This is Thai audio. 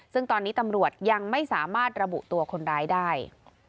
ซึ่งตอนนี้ตำรวจยังไม่สามารถระบุตัวคนร้ายได้